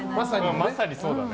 まさにそうだね。